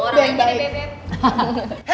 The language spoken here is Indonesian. oh bebe puh